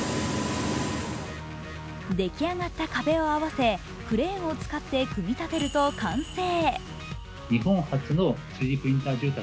できあがった壁を合わせ、クレーンを使って組み立てると完成。